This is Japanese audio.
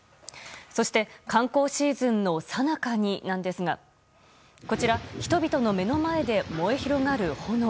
そして、観光シーズンのさなかになんですがこちら人々の目の前で燃え広がる炎。